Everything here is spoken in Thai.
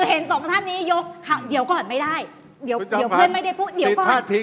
เห็นสองท่านนี้ยกค่ะเดี๋ยวก่อนไม่ได้